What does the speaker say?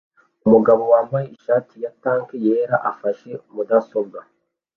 Umugabo wambaye ishati ya tank yera afashe mudasobwa